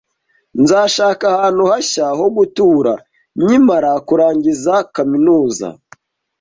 Nzashaka ahantu hashya ho gutura nkimara kurangiza kaminuza.